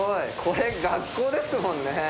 これ学校ですもんね。